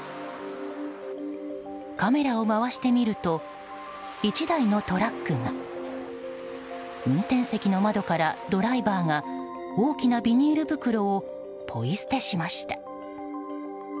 カメラを回してみると１台のトラックが運転席の窓からドライバーが大きなビニール袋をポイ捨てしました。